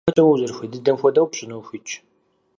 ДяпэкӀэ, уэ узэрыхуей дыдэм хуэдэу пщӀыну ухуитщ.